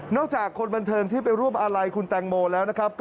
จากคนบันเทิงที่ไปร่วมอาลัยคุณแตงโมแล้วนะครับ